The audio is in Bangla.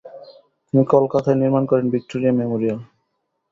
তিনি কলকাতায় নির্মাণ করেন ‘ভিক্টোরিয়া মেমোরিয়াল’।